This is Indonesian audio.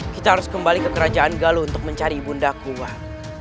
kita harus kembali ke kerajaan galuh untuk mencari bunda kuat